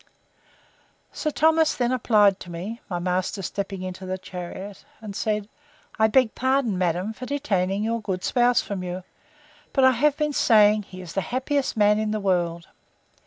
Sir Thomas then applied to me, my master stepping into the chariot, and said, I beg pardon, madam, for detaining your good spouse from you: but I have been saying, he is the happiest man in the world.